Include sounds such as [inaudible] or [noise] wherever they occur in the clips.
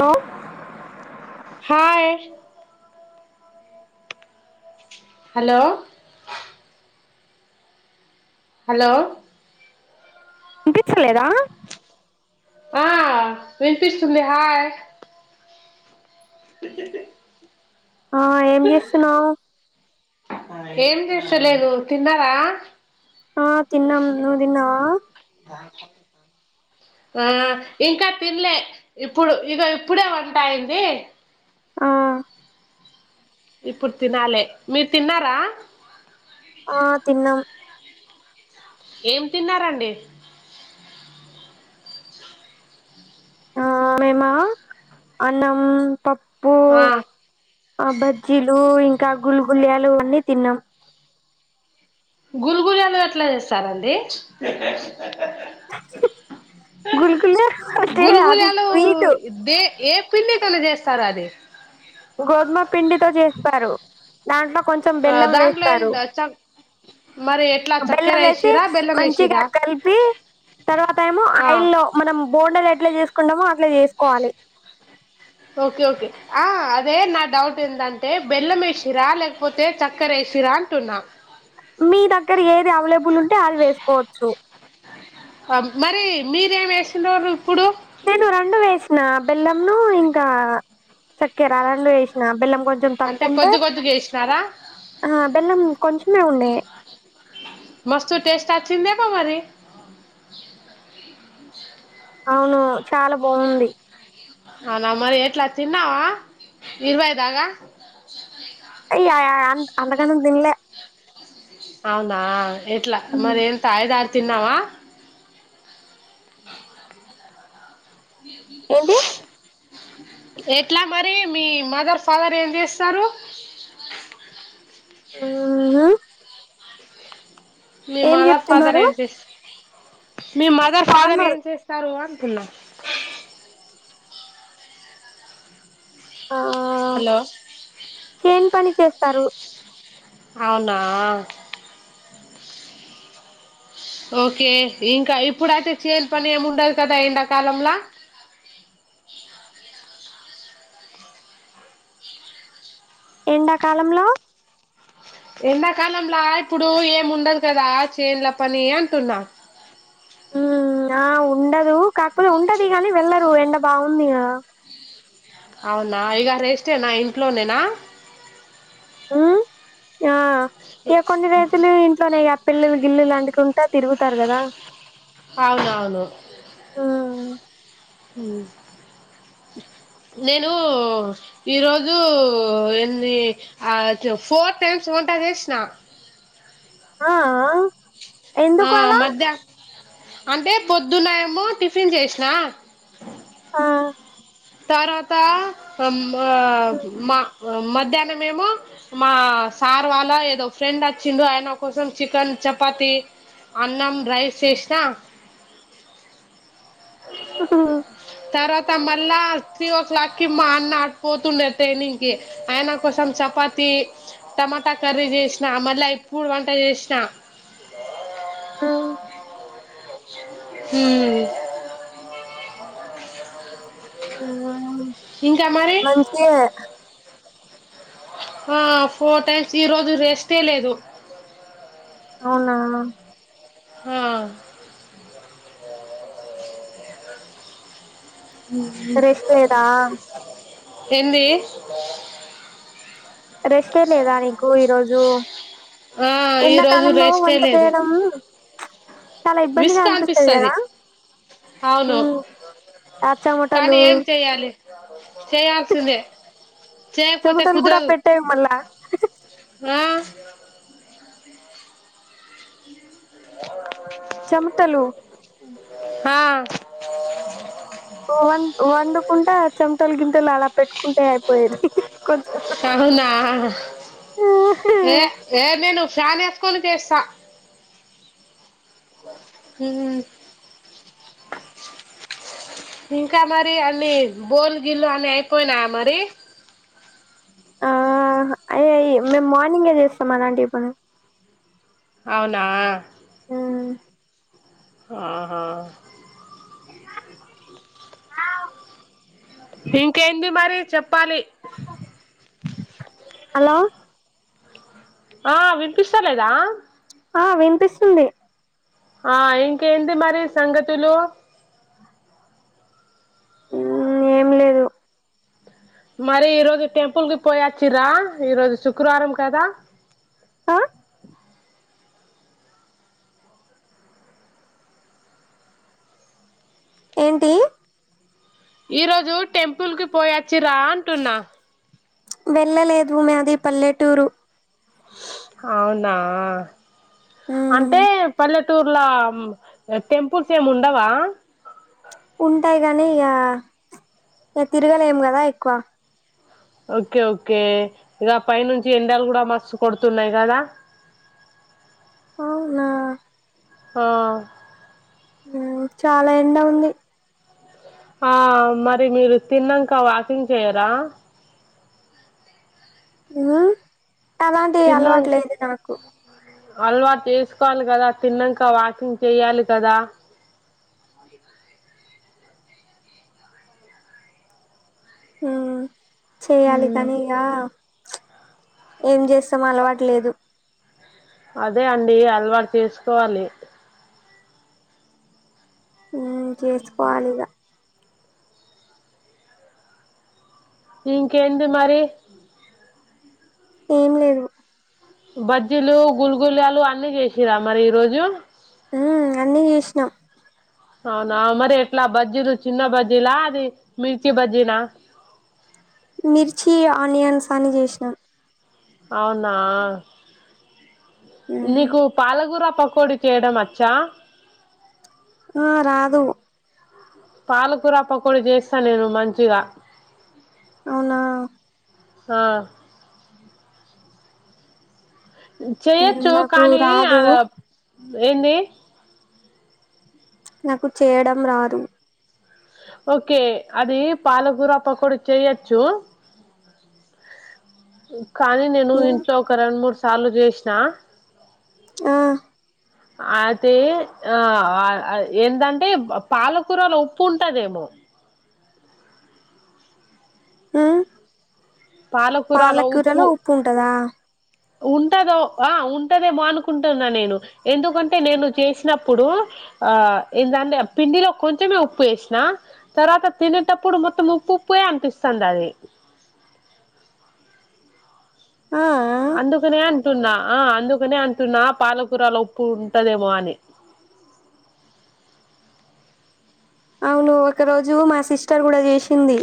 Hello hi hello hello వినిపించలేదా ఆ వినిపిస్తుంది హాయ్ ఆ ఏం చేస్తున్నావ్ ఏం చేస్తాలేదు తిన్నారా ఆ తిన్నాం నువు తిన్నావా ఆ ఇంకా తినలే ఇప్పుడు ఇగో ఇప్పుడే వంటా అయింది ఆ ఇప్పుడు తినాలే మీరు తిన్నారా ఆ తిన్నాం ఏం తిన్నారండి ఆ మేమ అన్నం పాప్ ఉప్పు ఆ ఆ బజ్జీలు ఇంకా గుల్ గుళ్యాలు అన్ని తిన్నాం గుర్ గుర్ ఎట్లా చేస్తారండి గుల్ గుల్ అంటే అది గుల్గులాలు వీటు దే ఏ పిండికలు చేస్తారు అది గోధుమ పిండితో చేస్తారు దాంట్లో కొంచెం బెల్లం దాంట్లో ఏం వేస్తారు చ మరి ఎట్లా చక్కెర బెల్లం వేసి వేసిరా బెల్లం మంచిగా వేసిరా కలిపి తర్వాత ఏమో ఆ ఆయిల్ లో మనం బొండలు ఎత్ ఏట్లా చేసుకుంటామో అట్లా చేసుకోవాలి ఓకే ఓకే ఆ అదే నా డౌట్ ఏందంటే బెల్లం వేసిరా లేకపోతే చక్కర వేసిరా అంటున్నా మీ దగ్గర ఏది అవైలబుల్ ఉంటే అది వేసుకోవచ్చు మరి మీరేమి వేసినోరు నేను రెండు వేసు నా బెల్లంను ఇంకా చక్కెర రెండు వేసు న బెల్లం కొంచెం అంటే తక్కువ ఉంటే కొద్ది కొద్దిగా వేసినారా ఆ బెల్లం కొంచమే ఉండే మస్త్ టెస్ట్ వచ్చింది ఏమో మరి అవును చాలా బాగుంది ఆ నావ మరి ఎట్లా తిన్నావా ఇరువైదగా అయ్ య య యన్ అంతకనం తినలే అవునా ఎట్లా మరి ఏం తాయ్ [unintelligible] తిన్నావా [inaudible] ఏంటి ఏ ఎట్లా మరి మీ మదర్ ఫాదర్ ఏం చేస్తారు మ్ అ మీ మదర్ ఫాదర్ చెప్తున్నారు ఏం చేస్తా మీ మదర్ ఫాదర్ ఫార్మర్ ఏం చేస్తారు అ శున్నా ఆ హలో చైన్ పని చే సరు అవునా ఎండాకాలంలో ఎండాకాలంలాగ ఇప్పుడు ఏమి ఉండదు కదా చేన్ల పని అంటున్నా ఉ ఆ ఉ ఉండదు కాకపోతే ఉంటది గానీ వెళ్లరు ఎండ బాగుంది గదా అవునా ఇగ రేష్టేనా ఇంట్లోనేేనా మ్ ఆ ఇక కొన్ని రోజులు ఇంట్లోనే ఇగ పిల్లలు గిల్లులు అంటికుంటా తిరుగుతారు కదా అవునవును నేను ఈరోజు ఎన్ని అ ఫోర్ టైమ్స్ వంట చేసిన ఆ అ ఆ మధ్యా అంటే పొద్దున్నాయేమో టిఫిన్ చేసిన ఆ తర్వాత ఉమ్ అ మా మధ్యాహ్నం మేమొ మా సార్ వాళ్ళ ఏదో ఫ్రెండ్ వచ్చిండు ఆయన కోసం చికెన్ చపాతి అన్నం రైస్ చేసిన తర్వాత మ [unintelligible] త్రీ ఓ క్లాక్ కి మా అన్న పోతుండే ట్రైనింగ్ కి ఆయన కోసం చపాతి టమాటా కర్రీ చేసినా మళ్ళీప్పుడు వంట చేసినా ఆా ఉమ్ ఉమ్మ్ మంచేగ దా ఆ ఫోర్ టైమ్స్ ఈరోజు రెస్టే లేదు. అవునా హ ఉహూ రెస్ట్ లేదా హిందీ రెస్టే లేదా నీకు ఈరోజు ఆ ఈరోజు ఎండాకాలంలో రెస్టే వంట లేదు చేయడం చాలా ఇబ్బందిగా విసుగు అనిపిస్తుంది అనిపిస్తది కదా అవును ఆ చమటలు చెయ్యాల్సిందే చెమటలు కూడా పెట్టాయి మళ్ళా అ చెమటలు ఆ వన్ వన్ కుంటా చెమటలు గింటెలు అలా పెట్టుకుంటే అయిపోయిది అవునా ఏ ఏ నేనుసాన్ కులుదేేశ ఉ ఇంకా మరి అని బోల్ గిలో అని అయిపోయినా మరి ఆ అయ మేము మార్నింగే చేస్తాం అలాంటి పను అవునా ఉ ఆహా ఇంకా ఎంది మరి చెప్పాలి హలో ఆ వినిపిస్త లేదా ఆ వినిపిస్తుంది ఆ ఇంకా ఏందీ మరి సంగతులు ఏం లేదు మరి ఈ రోజు టెంపుల్ కి పోయచ్చిరా ఈరోజు శుక్రవారం కదా ఆ ఏంటి ఈ రోజు టెంపుల్ కి పోయా చిరాంటున్నా వెళ్ళలేదు మాది పల్లెటూరు అవునా మ్, అంటే పల్లె చిత్తూర్లా టెంపుల్స్ ఏమి ఉండవా ఉంటాయి గానీ ఇగ ఇగ తిరగలేం గదా ఎక్కువ ఓకే ఓకే ఇగ పై నుంచి ఎండాలు గూడా మస్తు కొడుతున్నాయి గదా నా ఆ ఊ చాలా ఎండ ఉంది ఆ మరి మీరు తిన్నంక వాకింగ్ చెయరా ఉహు అలాంటి అలవాట్ లేదు తనకు అల్వాట్ చేసుకోవాలి కదా తిన్నంక వాకింగ్ చెయ్యాలి కదా ఆ చెయ్యాలి కనీ ఇగా ఏం జేస్తాం అలవాట్ లేదు అదే అండి అల్వాట్ చేసుకోవాలి ఊ చేసుకోవాలి ఇగ ఇంకేంది మరి ఏం లేదు బజ్జీలు గుల్గులాలు అన్ని చేసిరా మరి ఈ రోజు ఊ అన్నీ చేశ్నాం అవునా మరి ఎట్ల బజ్జీలు చిన్న బజ్జీలా అది మిర్చీ బజ్జీనా మిర్చి ఆనియన్స్ అన్ని చేశ్నాం అవునా మ్, నీకు పాలకూర పకోడి చెయ్యడం అచ్చా ఆ రాదు పాలకూర పకోడి జేస్తా నేను మంచిగా అవునా ఆ చెయచ్చు నాకు కానీ రాదు అదబ్ ఏంది నాకు చేయడం రాదు ఒకే అది పాలకూర పకోడి చెయచ్చు ఉ కానీ నేను ఇంట్లో ఒక రెండ్ మూడ్స్ సార్లు జేశ్నా ఆ అయితే ఆ వాల్ ఐ ఏంటంటే బ్ పాలకూరలో ఉప్పు ఉంటాదేమో ఊ పాలకూరలో ఉప్పు ఉంటదా ఉంటదో ఆ ఉంటదేమో అనుకుంటున్నా నేను ఎందుకంటే నేను చేస్నప్పుడు ఆ ఏంటంటే పిండిలో కొంచమే ఉప్పు ఎస్నా తర్వాత తినేటప్పుడు మొత్తం ఉప్పు ఉప్పుయే అనిపిస్తంది అది ఆ అందుకనే అంటున్నా ఆ అందుకనే అంటున్నా పాలకూరలో ఉప్పు ఉంటదేమో అని అవును ఒక రోజు మా సిస్టర్ గుడ చేసింది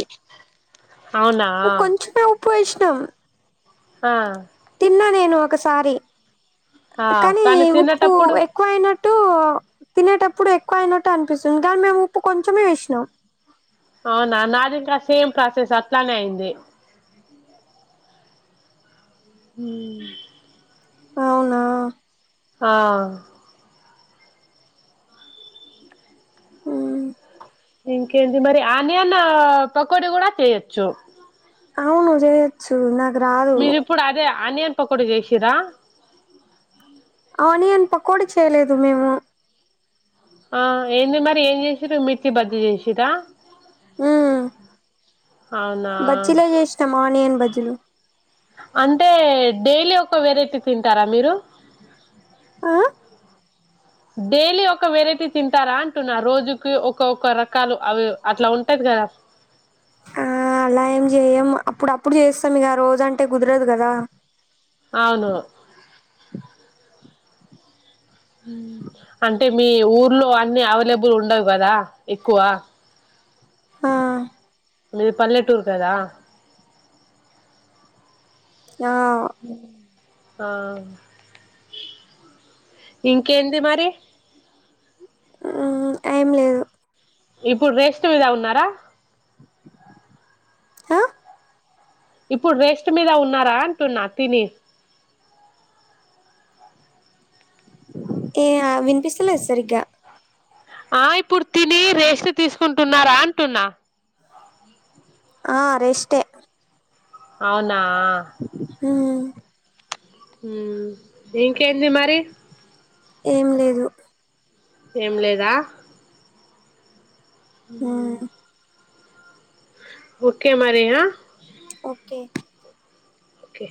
అవునా ఒ కొంచమే ఉప్పు ఏశ్ ట్నం ఆ ఒకసారి ఆ కానీ ఉప్పు తినేటప్పుడు ఎక్కువ అయినట్టు తినేటప్పుడు ఎక్ ఎక్కో అయినట్టు అనిపిస్తుంది కానీ మేము ఉప్పు కొంచెమే వేసినాం అవునా నాది ఇంకా సేమ్ ప్రాసెస్ అట్లానే అయింది అవునా ఆ ఊ ఇంకేంటి మరి ఆనియన పకోడి కూడా చేయొచ్చు అవును జయచు నాక్ మీరిప్పుడు అదే ఆనియన్ పకోడి చేసిరా ఆనియన్ పకోడి చేయలేదు మేము ఆ ఏంది మరి ఏం చేసిారు మిర్చి బజ్జి చేసిరా ఊ అవునా బచ్చీలే చేసినమానియన్ బజ్జిలు అంటే డైలీ ఒక వెరైటీ తింటారా మీరు ఆ డైలీ ఒక వెరైటీ తింటారా అంటున్న రోజుకి ఒకక్క రకాలు అవి అట్లా ఉంటది కదా ఆ అలా ఏం చేయ్యం అప్పుడు అప్పుడు చేస్తాం ఇగ రోజు అంటే కుదరదు కదా అవును ఊ అంటే మీ ఊర్లో అన్ని అవైలబుల్ ఉండవు కదా ఎక్కువ ఆ మీది పల్లెటూరు కదా ఆ ఆ ఇంకేంది మరి ఊ ఏం లేదు ఇప్పుడు రెస్ట్ మీదా ఉన్నారా హ ఇప్పుడు రెస్ట్ మీద ఉన్నారా అంటున్నా తిని ఏ ఆ వినిపిస్తలేదు సరిగ్గా ఆ ఇప్పుడు తిని రేష్ట్ తీసుకుంటున్నారా అంటున్నా ఆ రేష్టే అవును ఆ ఊ ఊ దింకేంది మరి ఏం లేదు ఏం లేదా ఊ మ్ ఓకే మరి ఆ ఓకే ఓకే